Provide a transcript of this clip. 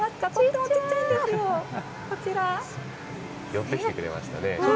寄ってきてくれましたね。